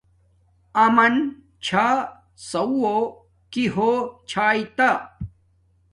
اَمَن چھݳ سَوُّہ، کݵ ہݸ چھݳئتݳ؟